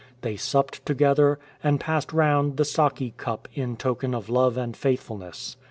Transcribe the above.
They supped together, and passed round the sake QM^ in token of love and faithfulness.